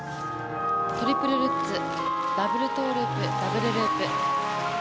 トリプルルッツダブルトウループ、ダブルループ。